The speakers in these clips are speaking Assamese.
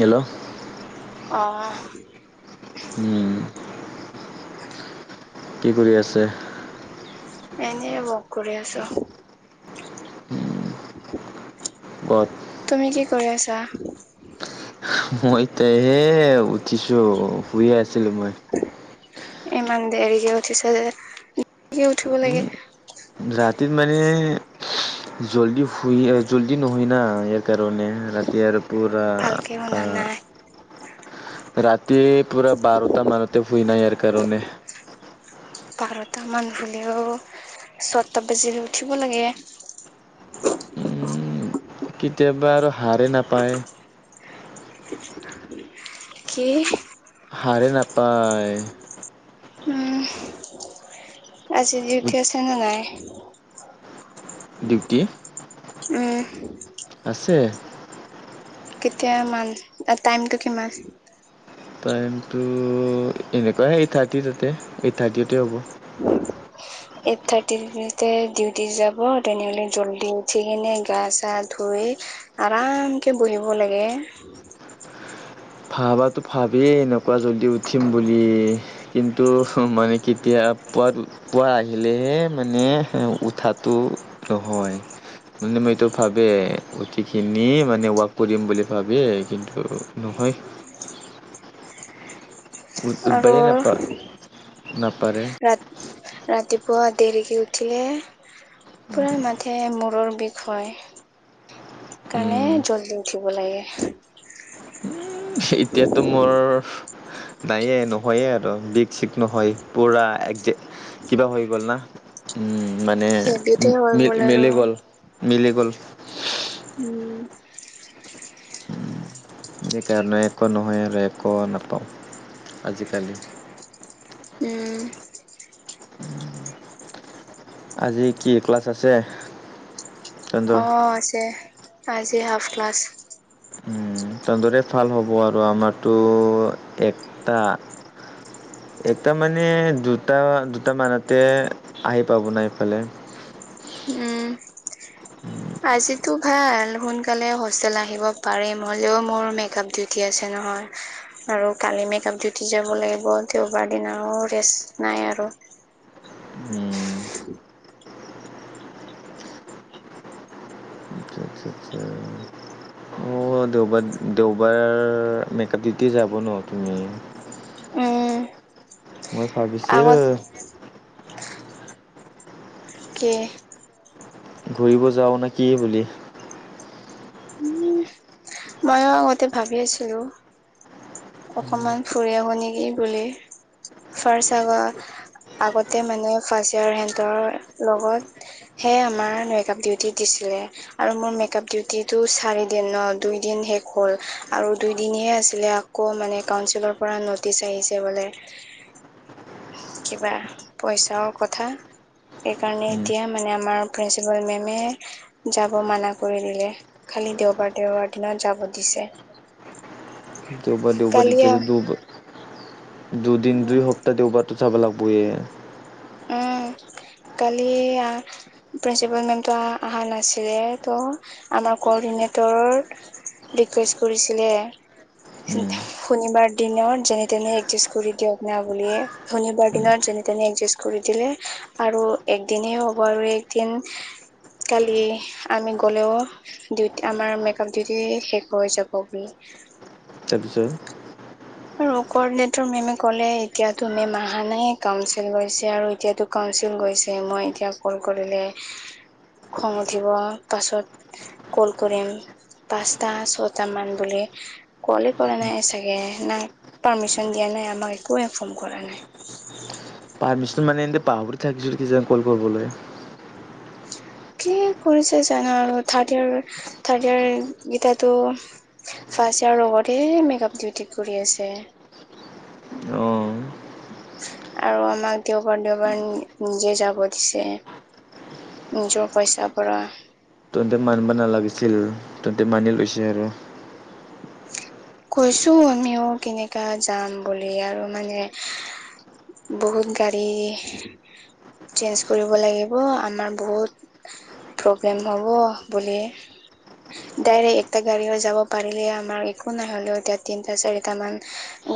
হেল্ল'। অহ। উম। [unintelligible] কি কৰি আছে? এনে ৱক কৰি আছোঁ। ক'ত তুমি কি কৰি আছা? মই, এতিয়া এই, উঠিছোঁ। শুই আছিলোঁ মই। ইমান দেৰিকে উঠিছা যে? দেৰিকে উঠিব উম, লাগে ৰাতিত মানে জল্দি। শুইয়ে জদি নহয় না ইয়াৰ কাৰণে, ৰাতি আৰু পুৰা ভালকে শুনা নাই [unintelligible] ৰাতি পুৰা বাৰটা মানতে, শুই নাই ইয়াৰ কাৰণে। বাৰটামান শুলেও। ছটা বাজিৰ উঠিব লাগে। উম, কেতিয়াবা আৰু হাৰেই নাপায়। কি? হাৰে নাপায়। উম, আজি উঠি আছে নে নাই? ডিউটি? উম! আছে। কেতিয়া মান, টাইমটো কিমান? টাইমটো এনেকুৱাই, এইট থাৰ্টি তাতে, এইট থাৰ্টিতে হ'ব। এইট থাৰ্টিতে ডিউটি যাব। তেনেহ'লে জল্দি উঠি কিনে গা চা ধুই। আৰামকে বহিব লাগে। [unintelligible] ভাবাতো, ভাবিয়ে এনেকুৱা জল্দি উঠিম বুলি। কিন্তু মানে কেতিয়া পুৱা, পুৱা আহিলেহে মানে উঠাটো নহয়। মানে, মই এইটো ভাবে, উঠি কিনি মানে ৱাক কৰিম বুলি ভাবে। কিন্তু নহয়। আৰু উঠবায়ে নাপা নাপাৰে ৰাত ৰাতিপুৱা দেৰিকি উঠিলে পুৰা মাথে মূৰৰ বিষ হয়। সেইকাৰণে, উম, জল্দি উঠিব লাগে। এতিয়াতো মোৰ নাইয়ে, নহয়ে আৰু বিষ। চিষ নহয়। পুৰা এক, কিবা হৈ গ'ল না। উম। মানে হেবিতে হৈ গ'ল মিলি আৰু মিলি গ'ল, মিলি গ'ল। উম। সেইকাৰণে, একো নহয় আৰু একো নাপাওঁ আজিকালি। উম। আজি কি ক্লাছ আছে? তহঁতৰ অ', আছে, আজি হাফ ক্লাছ। তহঁতৰে ভাল হ'ব আৰু আমাৰতো এটা এটা মানে, দুটা দুটা মানতে আহি পাব না ইফালে। [inaudible] উম। [inaudible] আজিতো, ভাল। সোনকালে হোষ্টেল আহিব পাৰিম। হ'লেও মোৰ মেকআপ ডিউটি আছে নহয়। আৰু কালি মেকআপ ডিউটি যাব লাগিব। দেওবাৰ দিনাও ৰেষ্ট নাই আৰু। অঁ দেওবাৰ, দেওবাৰ মেকআপ ডিউটি যাব ন' তুমি? উম মই, ভাবিছোঁ আগত কে ঘূৰিব যাও নে কি বুলি মইয়ো আগতে ভাবি আছিলো অকমান ফুৰি আহো নে কি বুলি ফাৰ্ষ্ট আগা আগতে মানে ফাৰ্ষ্ট ইয়েৰৰ হেনতৰ লগত হে আমাৰ মেকাপ ডিউটি দিছে আৰু মোৰ মেক আপ ডিউটিটো চাৰি দিনৰ দুই দিন শেষ হ'ল আৰু দুই দিন হে আকৌ মানে কাউনচিলৰ পৰা ন'টিচ আহিছে বোলে। কিবা পইচাৰো কথা। সেইকাৰণে উম, এতিয়া মানে আমাৰ প্ৰিন্সিপাল মেমে যাব মানা কৰি দিলে। খালি দেওবাৰ, দেওবাৰ দিনা যাব দিছে। দেওবাৰ দেওবাৰ কালি দিছে [unintelligible] দুদিন উম দুই সপ্তাহ দেওবাৰটো যাব লাগবয়ে। উম। কালি প্ৰিন্সিপাল মেমটো আহা নাছিলে। ত' আমাৰ কৰ নে তোৰ ৰিকুৱেষ্ট কৰিছিলে। উম, শনিবাৰ দিনত যেনে তেনে একজিষ্ট কৰি দিয়ক না বুলিয়ে, শনিবাৰ উম, দিনত যেনে যেনে তেনে এডজাষ্ট কৰি দিলে আৰু এক দিনেই হব আৰু এক দিন কালি আমি গ'লেও ডিউটি আমাৰ মেকআপ ডিউটি শেষ হৈ যাব বোলে। তাৰপিছত আৰু কৰনেট মেমে কলে এতিয়াটো মেম অহা নাই, কাউঞ্চিল গৈছে আৰু এতিয়াটো কাউন্সিল গৈছে, মই এতিয়া কল কৰিলে খং উঠিব অ পাছত কল কৰিম। পাঁচটা, ছটা মান বুলি, কোৱলে কৰা নাই চাগে। না পাৰ্মিচন দিয়া নাই আমাক। একো ইনফৰ্ম কৰা নাই। পাৰ্মিচন মানে এনে পাহৰি থাকিছো কি যে কৰব গলে। কি কৰিছে জানা আৰু থাৰ্ড ইয়েৰ থাৰ্ড ইয়েৰ কেইটাটো ফাৰ্ষ্ট ইয়াৰ লগতে মেকআপ ডিউটি কৰি আছে অ', আৰু আমাক দেওবাৰ দেওবাৰ নিজে যাব দিছে নিজৰ পইচা পৰা তহন্ততে মানিব নালাগিছিল তন্ততে মানি লৈছে আৰু কৈছো আমিও কেনেকা যাম বুলি আৰু মানে বহুত গাড়ী চেঞ্জ কৰিব লাগিব আমাৰ বহুত প্ৰব্লেম হ'ব বুলি ডাইৰেক্ট এটা গাড়ী যাব পাৰিলে আমাৰ একো নাই হলেও এতিয়া তিনটা চাৰিটা মান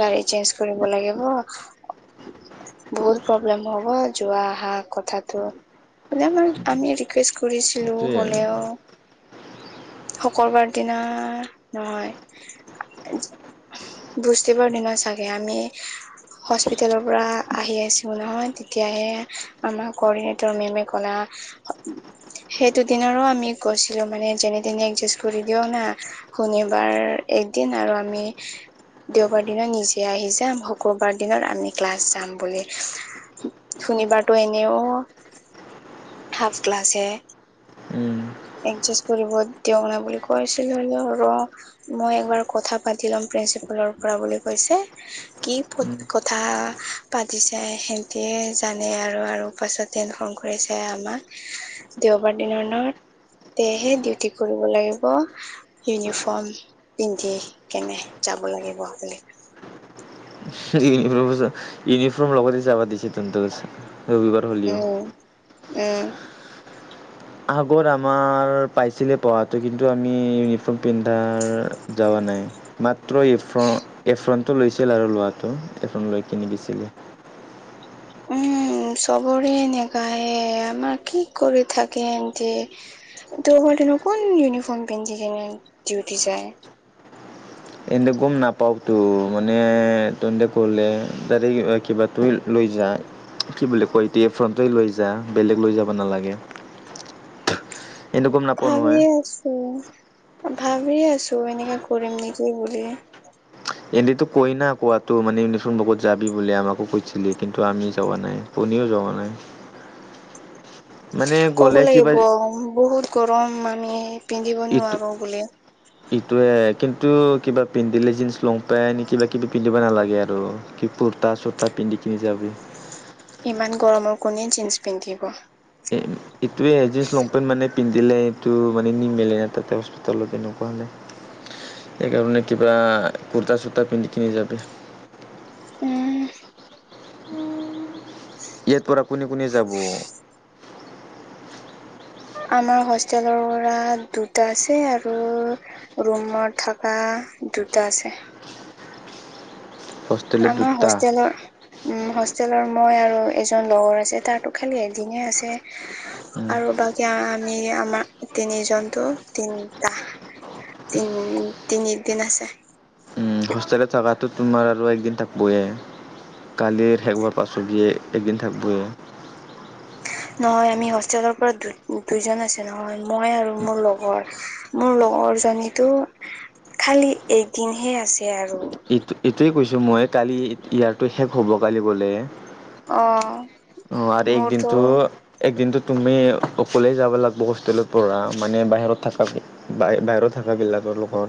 গাড়ী চেঞ্জ কৰিব লাগিব বহুত প্ৰব্লেম হব যোৱা আহা কথাটো বোলে আমাৰ আমিয়ে ৰিকুৱেষ্ট কৰিছিলো সেইটোৱে আৰু। হলেও শুক্ৰবাৰ দিনা নহয় ভুজ দিব দিনা চাগে আমি হস্পিতালৰ পৰা আহি আছিল নহয় তেতিয়াহে আমাৰ কৰ্ডিনেটৰ মেমে কলে উ সেইটো দিনৰো আমি গৈছিলো মানে যেনে তেনে এডজাষ্ট কৰি দিয়ও না শনিবাৰ এদিন আৰু আমি দেওবাৰ দিনা নিজে আহি যাম শুক্ৰুবাৰ দিনা আমি ক্লাছ যাম বুলি শুনিবাৰটো এনেও হাফ ক্লাছ হে উম, এডজাষ্ট কৰিব দিয়ক না বুলি কৈছিলো ৰ মই এবাৰ কথা পাতি লম প্ৰিঞ্চিপালৰ পৰা বুলি কৈছে কি উম, কথা পাতিছে সেহতি জানে আৰু আৰু পাছত নখন কৰিছে আমাক দেওবাৰ দিনাত সেয়েহে ডিউটি কৰিব লাগিব ইউনিফৰ্ম পিন্ধি কেনে যাব লাগিব আপুনি [inaudible] [unintelligible] ইউনিফৰ্ম লগতে যাবা দিছে [unintelligible] ৰবিবাৰ হ'লিও উম উম আগত আমাৰ পাইছিলে পঢ়াটো কিন্তু আমি ইউনিফৰ্ম পিন্ধাৰ যাৱ নাই মাত মাত্ৰফ এফ্ৰনটো লৈছিল আৰু লোৱাটো এফ্ৰন লৈ কিনি দিছিলে উম চবৰে এনেকায়ে আমাৰ কি কৰি থাকে যে কনে কোন ইউনিফৰ্ম পিন্ধি যেনে দি উঠি যায় এন্ত গম নাপাওতো মানে তেে কলে ত কিবা লৈ কি বুলি কয় এতিয়া ফ্ৰণ্টই লৈ যা বেলেগ লৈ যাব নালাগে এন্তে গম নাপাওঁ নহয় ভাবেই আছো ভাবি আছো এনেকাে কৰিম নেকি বুলি এনেিতো কই না কোৱাাতো মানে ইউনিফৰ্ম বকত যাবি বুলি আমাকো কৈছিলি কিন্তু আমি যোৱা নাই শ যোৱা নাই মানে কব গ'লে কিবা লাগিব বহুত গৰম আমি পিন্ধিব নোৱাৰোঁ বুলি ইটয়ে কিন্তু কিবা পিন্ধিলে জিন্চ লং পেন্ট কিবা কিবি পিন্ধিব নালাগে আৰু কুৰ্তা চুৰ্তা পিন্ধি কিনি যাবি ইমান গৰমৰ কোণে জীন্স পিন্ধিব এইটোৱেজি লংপেণ্ট মানে পিন্ধিলে সটো মানে নিমিলে ন তাতে হস্পিটেলত এনেকুৱা হানাই সেইকাৰণে কিবা কুৰ্তা চূুৰ্তা পিন্ধি কিনি যাবি আহ ইয়াৰ পৰা কোনে কোনে যাব আমাৰ হোষ্টেলৰ পৰা দুটা আছে আৰু ৰুমত থকা দুটা আছে। হোষ্টেলত আমাৰ দুটা হোষ্টেলৰ উম হোষ্টেলৰ মই আৰু এজন লগৰ আছে তাৰো খালি এদিনেহে আছে। আৰু বাকী আমি আমাৰ তিনি জন্তু তিনিটা তিনি তিনি দিন আছে। হোষ্টেলে থকাতো তোমাৰ আৰু একদিন থাকিবয়ে। কালিৰ শেষবাৰ পাছত দিয়ে এদিন থাক ব এ নহয় আমি হোষ্টেলৰ পৰা দুইজন আছে নহয় মই আৰু মোৰ লগৰ মোৰ লগৰ জনীতো খালি এদিন হে আছে আৰু এইটো এইটোৱে কৈছো মই কালি ইয়াতটো শেষ হ'ব কালি গ'লে। অ অ আৰু মোৰতো একদিনটো একদিনতটো তুমি অকলেই যাব লাগিব হোষ্টেলত পৰা মানে বাহিৰত থাকা বাহিৰত থাকাবিলাক তেওঁলোকৰ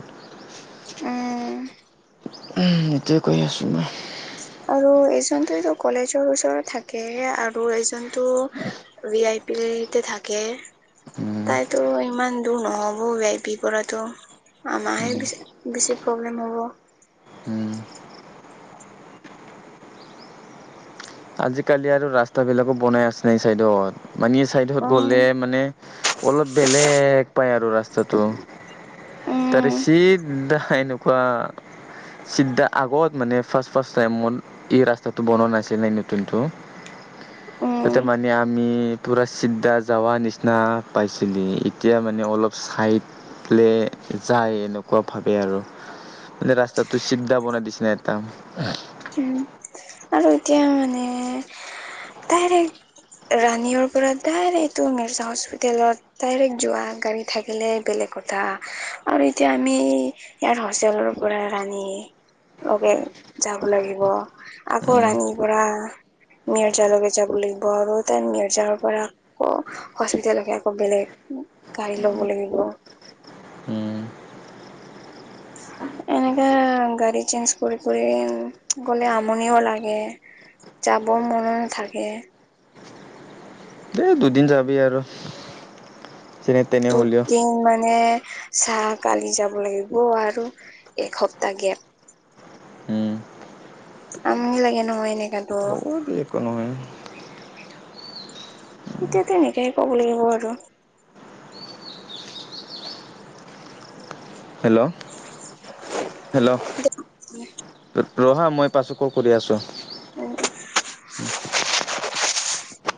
[inaudible] এটোয়ে কৈ আছোঁ মই। আৰু এইজনটোতো কলেজৰ ওচৰত থাকে আৰু এইজনটো বি আই পি [unintelligible] থাকে তাইতো ইমান দূৰ নহব বিইপি পৰাতো আমাহে বেছি প্ৰব্লেম হ'ব। উম আজিকালি আৰু ৰাস্তা বিলাকো বনাই আছে নাই চাইদত। মানীয়ে চাইডত উম গলে মানে অলপ বেলেগ পায় আৰু ৰাস্তাটো তাৰ উম চিত এনেকুৱা চিদ্দা আগত মানে ফাৰ্ষ্ট ফাৰ্ষ্ট টাইম মোৰ এই ৰাস্তাটো বনোৱা নাছিলে এনে- তাতো, উম তাতে মানে আমি পুৰা চিদা যাৱা নিচিনা পাইছিলি, এতিয়া মানে অলপ চাইড প্লে যায় এনে কোৱা ভাবে আৰু, মানে ৰাস্তাটো চিদা বনাই দিছে একদাম। উম আৰু এতিয়া মানে ডাইৰেক ৰাণীৰ পৰা ডাইৰেক্ট এইটো মিৰ্চা হস্পিতেলত ডাইৰেক্ট যোৱা গাড়ী থাকিলে বেলেগ কথা, আৰু এতিয়া আমি ইয়াৰ হোষ্টেলৰ পৰা আনি লগে যাব লাগিব আকৌ উম ৰাণীৰ পৰা মিয়ৰ যাৰলকে যাব লাগিব আৰু তাই মিয়ৰ যাৰ পৰা আকৌ হস্পিতালকে আকৌ বেলেগ গাড়ী লব লাগিব। হুম। [inaudible] এনেকা গাড়ী চেঞ্জ কৰি কৰি গলে আমনিও লাগে। যাব মন থাকে। তেই দুদিন যাবি আৰু। যেনে তেনে হ'লেও দুদিন মানে চা কালি যাব লাগিব আৰু এসপ্তাহ গেপ। উম আমনি লাগে নহয় এনেকাতো। হ'ব দে একো নহয় এতিয়াটো এনেকাই কব লাগিব আৰু। হেল্ল' [inaudible] হেল্ল' [unintelligible] ৰহা মই পাছত কল কৰি আছোঁ? [inaudible]